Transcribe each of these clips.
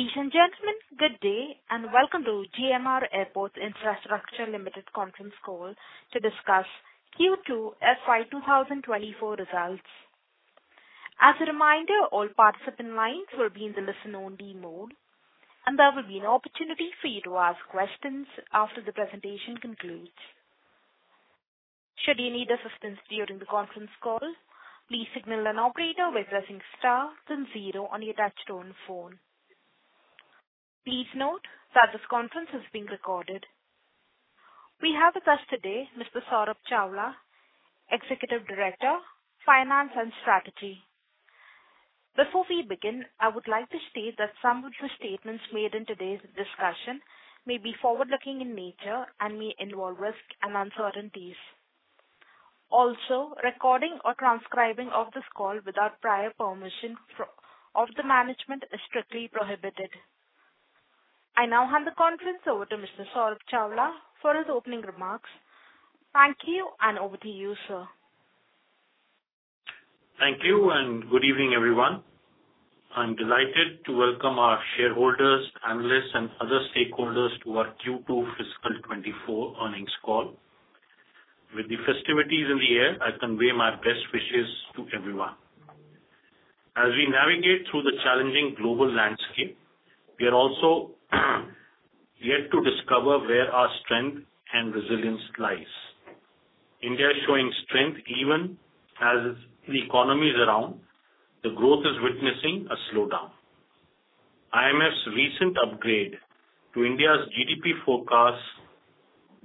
Ladies and gentlemen, good day, and welcome to GMR Airports Infrastructure Limited conference call to discuss Q2 FY 2024 results. As a reminder, all participant lines will be in the listen-only mode, and there will be an opportunity for you to ask questions after the presentation concludes. Should you need assistance during the conference call, please signal an operator by pressing star then zero on your touchtone phone. Please note that this conference is being recorded. We have with us today Mr. Saurabh Chawla, Executive Director, Finance and Strategy. Before we begin, I would like to state that some of the statements made in today's discussion may be forward-looking in nature and may involve risk and uncertainties. Also, recording or transcribing of this call without prior permission from the management is strictly prohibited. I now hand the conference over to Mr. Saurabh Chawla for his opening remarks. Thank you, and over to you, sir. Thank you, and good evening, everyone. I'm delighted to welcome our shareholders, analysts, and other stakeholders to our Q2 fiscal 2024 earnings call. With the festivities in the air, I convey my best wishes to everyone. As we navigate through the challenging global landscape, we are also yet to discover where our strength and resilience lies. India is showing strength even as the economies around, the growth is witnessing a slowdown. IMF's recent upgrade to India's GDP forecast,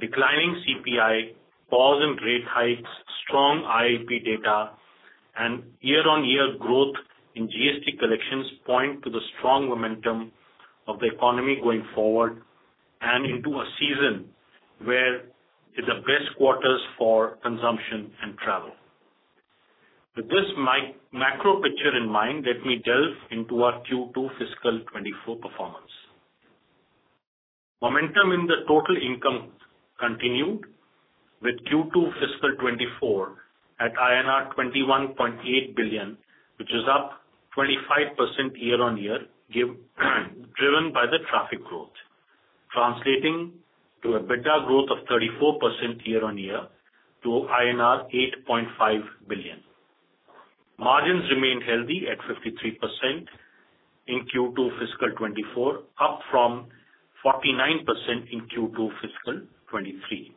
declining CPI, pause in rate hikes, strong IIP data, and year-on-year growth in GST collections point to the strong momentum of the economy going forward and into a season where it's the best quarters for consumption and travel. With this macro picture in mind, let me delve into our Q2 fiscal 2024 performance. Momentum in the total income continued with Q2 fiscal 2024 at INR 21.8 billion, which is up 25% year-over-year, driven by the traffic growth. Translating to a better growth of 34% year-over-year to 8.5 billion. Margins remained healthy at 53% in Q2 fiscal 2024, up from 49% in Q2 fiscal 2023.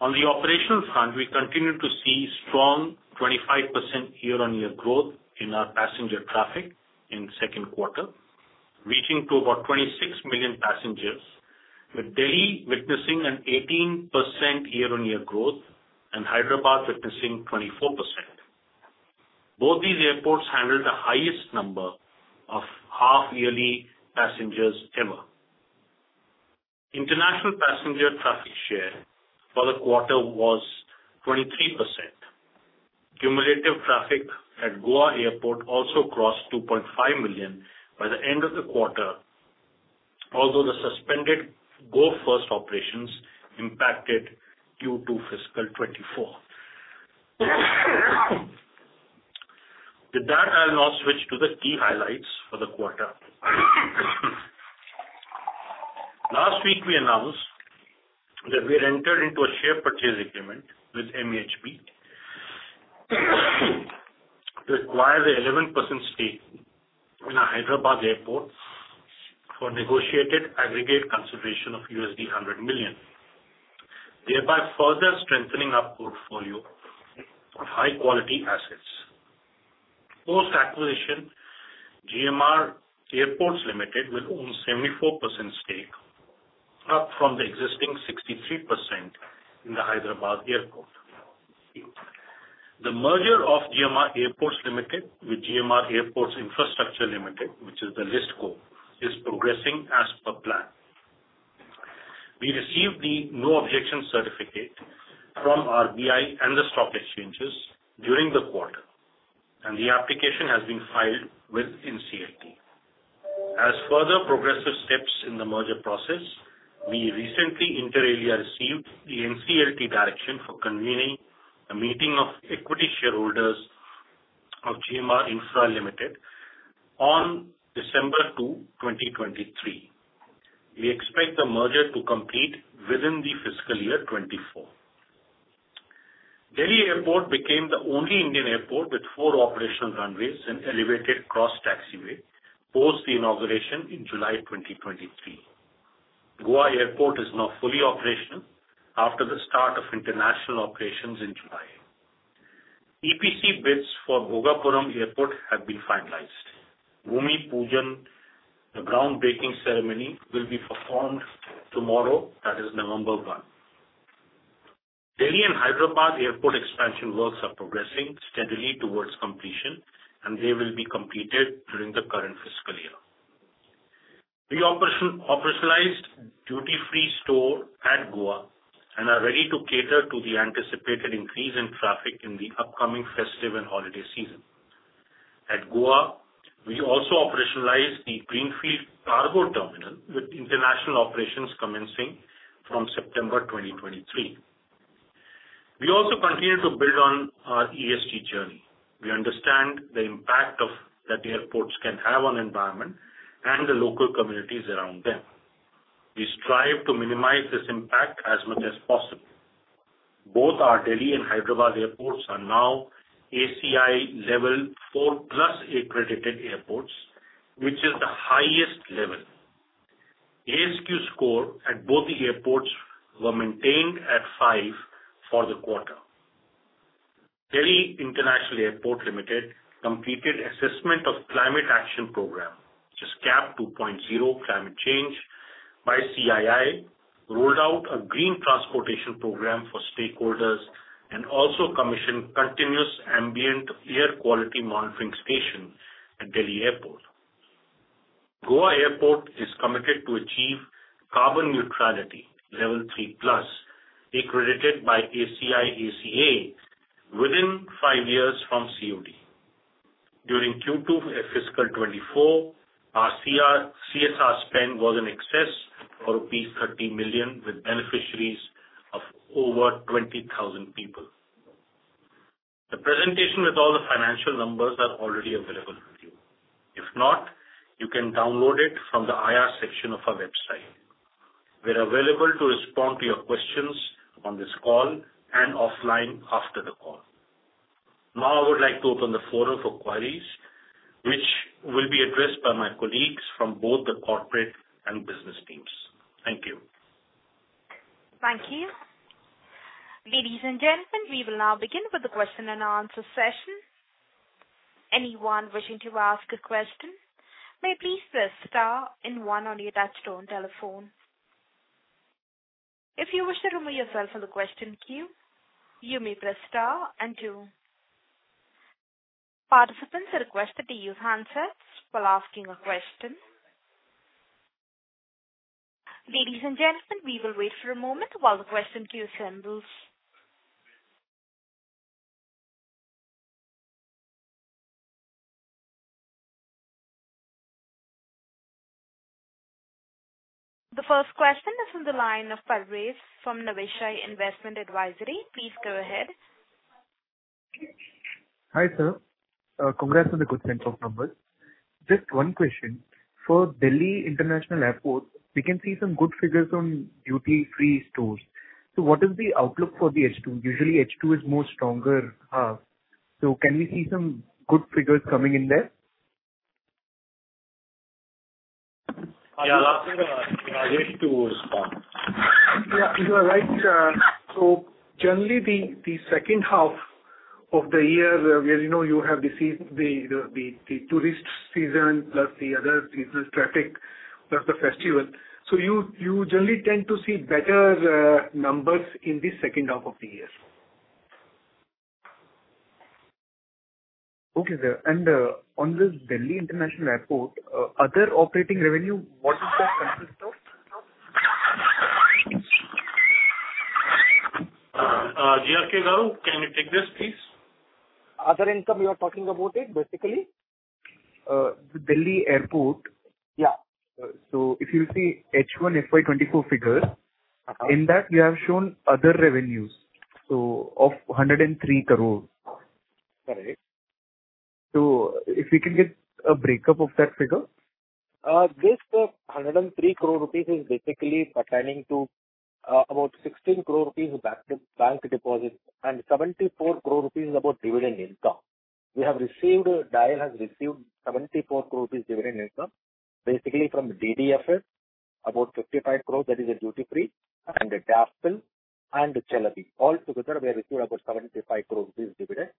On the operational front, we continued to see strong 25% year-over-year growth in our passenger traffic in second quarter, reaching to about 26 million passengers, with Delhi witnessing an 18% year-over-year growth and Hyderabad witnessing 24%. Both these airports handled the highest number of half-yearly passengers ever. International passenger traffic share for the quarter was 23%. Cumulative traffic at Goa Airport also crossed 2.5 million by the end of the quarter, although the suspended Go First operations impacted Q2 fiscal 2024. With that, I'll now switch to the key highlights for the quarter. Last week, we announced that we had entered into a share purchase agreement with MAHB, to acquire the 11% stake in our Hyderabad Airport for negotiated aggregate consideration of $100 million, thereby further strengthening our portfolio of high-quality assets. Post-acquisition, GMR Airports Limited will own 74% stake, up from the existing 63% in the Hyderabad Airport. The merger of GMR Airports Limited with GMR Airports Infrastructure Limited, which is the listed co., is progressing as per plan. We received the no objection certificate from RBI and the stock exchanges during the quarter, and the application has been filed with NCLT. As further progressive steps in the merger process, we recently inter alia, received the NCLT direction for convening a meeting of equity shareholders of GMR Infra Limited on December 2, 2023. We expect the merger to complete within the fiscal year 2024. Delhi Airport became the only Indian airport with four operational runways and elevated cross taxiway, post the inauguration in July 2023. Goa Airport is now fully operational after the start of international operations in July. EPC bids for Bhogapuram Airport have been finalized. Bhoomi Poojan, the groundbreaking ceremony, will be performed tomorrow, that is, November 1. Delhi and Hyderabad Airport expansion works are progressing steadily towards completion, and they will be completed during the current fiscal year. We operationalized duty-free store at Goa and are ready to cater to the anticipated increase in traffic in the upcoming festive and holiday season. At Goa, we also operationalized the greenfield cargo terminal, with international operations commencing from September 2023. We also continue to build on our ESG journey. We understand the impact of, that the airports can have on environment and the local communities around them. We strive to minimize this impact as much as possible. Both our Delhi and Hyderabad airports are now ACI Level 4+ accredited airports, which is the highest level. ASQ score at both the airports were maintained at 5 for the quarter. Delhi International Airport Limited completed Assessment of Climate Action Program, which is CAP 2.0 climate change by CII, rolled out a green transportation program for stakeholders and also commissioned continuous ambient air quality monitoring station at Delhi Airport. Goa Airport is committed to achieve carbon neutrality, level 3+, accredited by ACI-ACA within 5 years from COD. During Q2 fiscal 2024, our CSR spend was in excess of INR 30 million, with beneficiaries of over 20,000 people. The presentation with all the financial numbers are already available with you. If not, you can download it from the IR section of our website. We're available to respond to your questions on this call and offline after the call. Now, I would like to open the floor for queries, which will be addressed by my colleagues from both the corporate and business teams. Thank you. Thank you. Ladies and gentlemen, we will now begin with the question and answer session. Anyone wishing to ask a question, may please press star and one on your touchtone telephone. If you wish to remove yourself from the question queue, you may press star and two. Participants are requested to use handsets while asking a question. Ladies and gentlemen, we will wait for a moment while the question queue assembles. The first question is on the line of Parvez from Nuvama Investment Advisory. Please go ahead. Hi, sir. Congrats on the good set of numbers. Just one question. For Delhi International Airport, we can see some good figures on duty-free stores. So what is the outlook for the H2? Usually, H2 is more stronger, so can we see some good figures coming in there? I am asking Rajesh to respond. Yeah, you are right, so generally, the second half of the year, where, you know, you have the tourist season, plus the other business traffic, plus the festival, so you generally tend to see better numbers in the second half of the year. Okay, sir, and on this Delhi International Airport, other operating revenue, what does that consist of? GRK Babu, can you take this, please? Other income, you are talking about it, basically? The Delhi airport. Yeah. If you see H1 FY 2024 figures- Uh-huh. in that we have shown other revenues, so of 103 crore. Correct. If we can get a breakup of that figure? This 103 crore rupees is basically pertaining to, about 16 crore rupees bank, bank deposit, and 74 crore rupees is about dividend income. We have received, DIAL has received 74 crore rupees dividend income, basically from DDFS, about 55 crore, that is a duty-free, and DASPL and [Chelavig]. All together, we have received about 75 crore rupees dividend.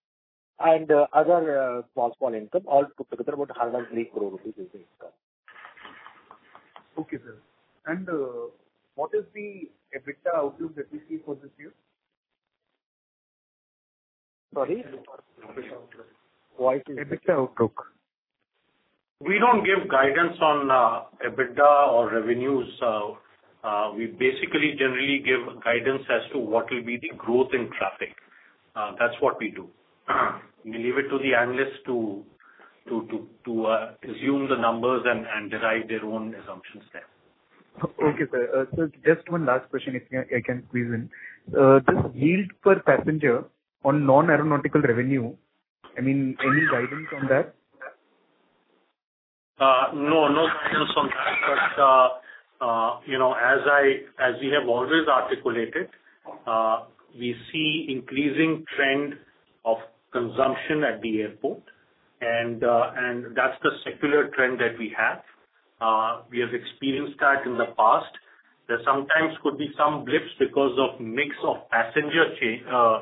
And other, small income, all together, about 103 crore rupees is the income. Okay, sir. And, what is the EBITDA outlook that we see for this year? Sorry? EBITDA outlook. What is- EBITDA outlook. We don't give guidance on EBITDA or revenues. We basically generally give guidance as to what will be the growth in traffic. That's what we do. Uh. We leave it to the analysts to assume the numbers and derive their own assumptions there. Okay, sir. So just one last question, if I can squeeze in. This yield per passenger on non-aeronautical revenue, I mean, any guidance on that? No, no guidance on that. But, you know, as we have always articulated, we see increasing trend of consumption at the airport, and that's the secular trend that we have. We have experienced that in the past. There sometimes could be some blips because of mix of passenger,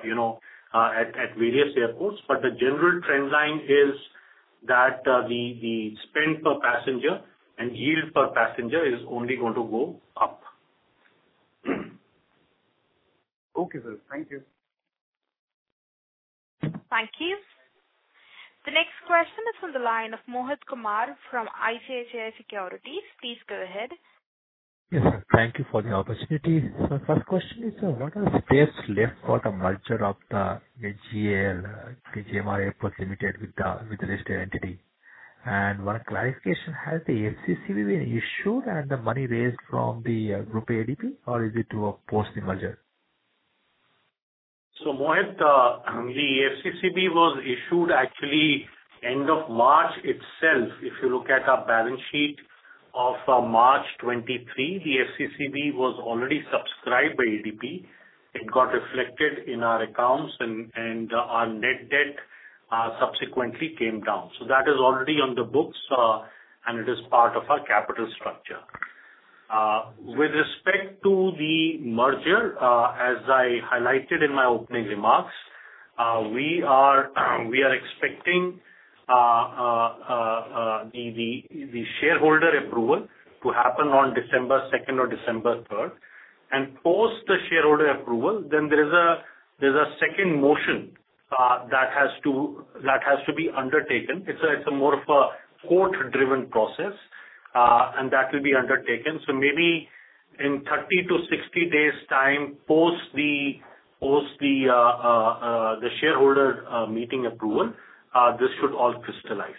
you know, at various airports, but the general trend line is that the spend per passenger and yield per passenger is only going to go up. Okay, sir. Thank you. Thank you. The next question is on the line of Mohit Kumar from ICICI Securities. Please go ahead. Yes, sir. Thank you for the opportunity. So first question is, sir, what are the space left for the merger of the GAL, GMR Airports Limited with the, with the listed entity? And one clarification, has the FCCB been issued and the money raised from the, Groupe ADP, or is it to a post-merger? So Mohit, the FCCB was issued actually end of March itself. If you look at our balance sheet of March 2023, the FCCB was already subscribed by ADP. It got reflected in our accounts and our net debt subsequently came down. So that is already on the books, and it is part of our capital structure. With respect to the merger, as I highlighted in my opening remarks, we are expecting the shareholder approval to happen on December 2 or December 3. And post the shareholder approval, then there is a second motion that has to be undertaken. It's more of a court-driven process, and that will be undertaken. So maybe in 30-60 days time, post the, post the, the shareholder meeting approval, this should all crystallize.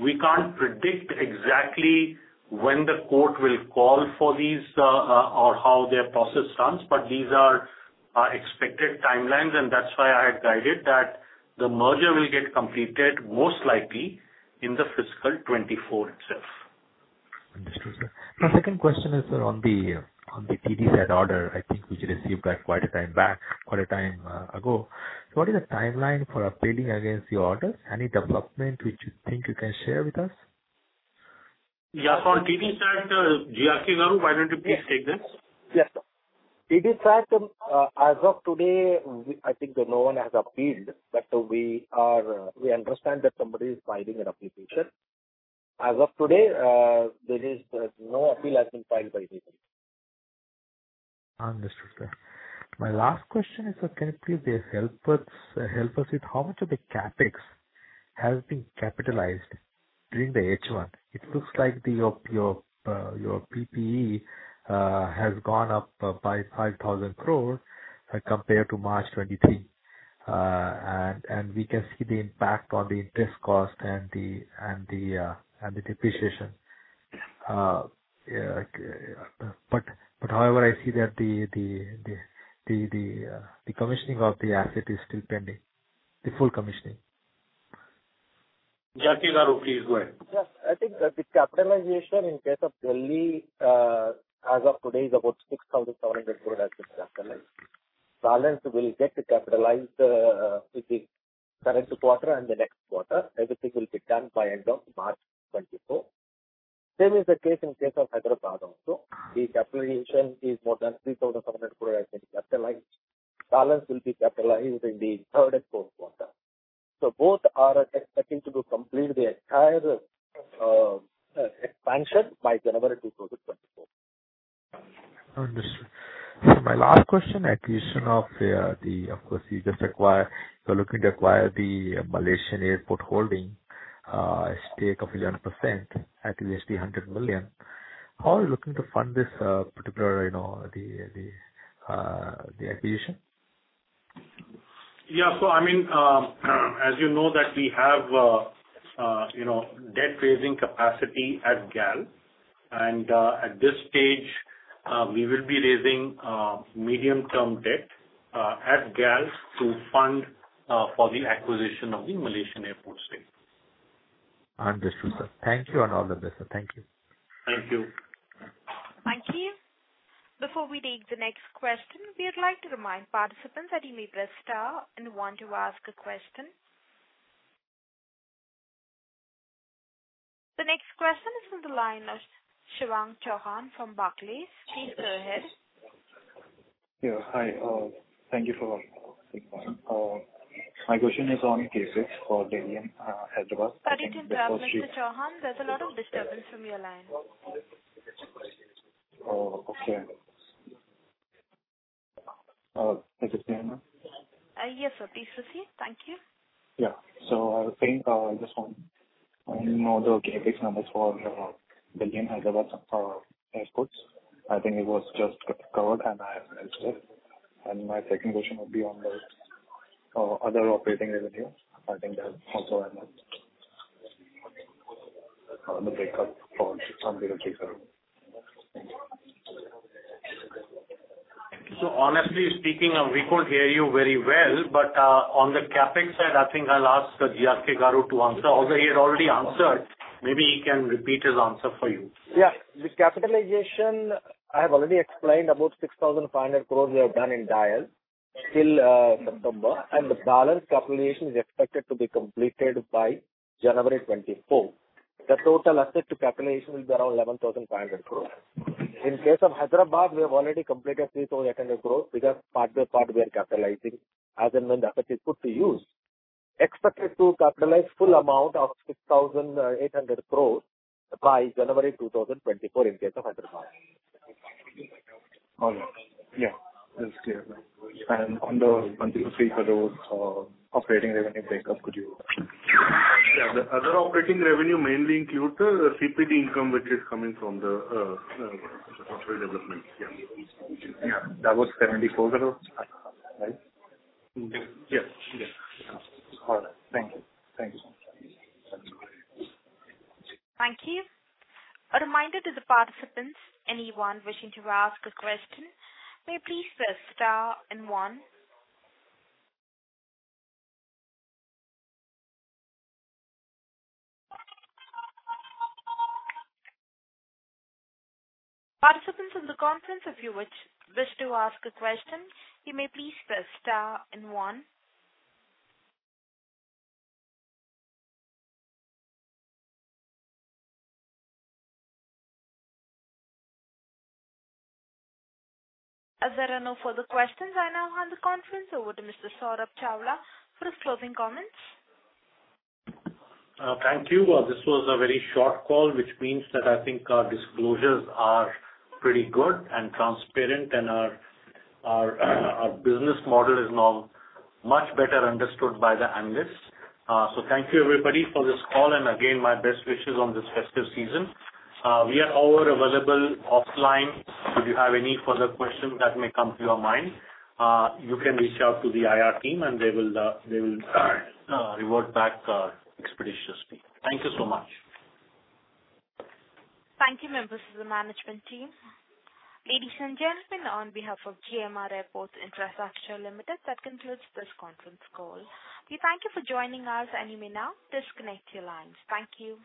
We can't predict exactly when the court will call for these, or how their process runs, but these are expected timelines, and that's why I had guided that the merger will get completed, most likely in the fiscal 2024 itself. Understood, sir. My second question is on the, on the TDSAT order. I think we received that quite a time back, quite a time ago. So what is the timeline for appealing against the order? Any development which you think you can share with us? Yeah, for TDSAT, GRK Babu, why don't you please take this? Yes, sir. TDSAT, as of today, I think that no one has appealed, but we are, we understand that somebody is filing an application. As of today, there is, there's no appeal has been filed by anybody. Understood, sir. My last question is, so can you please help us, help us with how much of the CapEx has been capitalized during the H1? It looks like your PPE has gone up by 5,000 crore compared to March 2023. And we can see the impact on the interest cost and the depreciation. But however, I see that the commissioning of the asset is still pending, the full commissioning. GRK Babu, please go ahead. Yes, I think that the capitalization in case of Delhi, as of today, is about 6,700 crore has been capitalized. Balance will get capitalized with the current quarter and the next quarter. Everything will be done by end of March 2024. Same is the case in case of Hyderabad also. The capitalization is more than 3,700 crore has been capitalized. Balance will be capitalized in the third and fourth quarter. So both are expecting to complete the entire expansion by January 2024. Understood. So my last question, acquisition of, the... Of course, you just acquired, you're looking to acquire the Malaysia Airports Holdings stake of 100% at least $100 million. How are you looking to fund this particular, you know, the, the, the acquisition? Yeah. So I mean, as you know that we have, you know, debt-raising capacity at GAL, and at this stage, we will be raising medium-term debt at GAL to fund for the acquisition of the Malaysian Airports stake. Understood, sir. Thank you on all of this, sir. Thank you. Thank you. Thank you. Before we take the next question, we would like to remind participants that you may press star and one to ask a question. The next question is from the line of Shivank Chauhan from Barclays. Please go ahead. Yeah, hi. Thank you for holding. My question is on CapEx for Delhi and Hyderabad. Sorry to interrupt, Mr. Chauhan. There's a lot of disturbance from your line. Oh, okay. Is it clear now? Yes, it is received. Thank you. Yeah. So I think, just want to know the CapEx numbers for Delhi and Hyderabad airports. I think it was just covered and I understood. My second question would be on the other operating revenue. I think that also I missed the breakup from GRK Babu. Honestly speaking, we could hear you very well, but on the CapEx side, I think I'll ask GRK Babu to answer. Although he had already answered, maybe he can repeat his answer for you. Yeah. The capitalization, I have already explained, about 6,500 crore we have done in DIAL till September, and the balance capitalization is expected to be completed by January 2024. The total asset capitalization is around 11,500 crore. In case of Hyderabad, we have already completed 3,800 crore because part by part, we are capitalizing as and when the asset is put to use. Expected to capitalize full amount of 6,800 crore by January 2024 in case of Hyderabad. All right. Yeah, that's clear. And on the one, two, three for the operating revenue breakup, could you? Yeah. The other operating revenue mainly include the CPD income, which is coming from the auxiliary development. Yeah. Yeah, that was 74-0, right? Yes. Yes. All right. Thank you. Thank you. Thank you. A reminder to the participants, anyone wishing to ask a question, may please press star and one. Participants in the conference, if you wish, wish to ask a question, you may please press star and one. As there are no further questions, I now hand the conference over to Mr. Saurabh Chawla for his closing comments. Thank you. Well, this was a very short call, which means that I think our disclosures are pretty good and transparent, and our business model is now much better understood by the analysts. So thank you, everybody, for this call, and again, my best wishes on this festive season. We are all available offline. If you have any further questions that may come to your mind, you can reach out to the IR team and they will revert back expeditiously. Thank you so much. Thank you, members of the management team. Ladies and gentlemen, on behalf of GMR Airports Infrastructure Limited, that concludes this conference call. We thank you for joining us, and you may now disconnect your lines. Thank you.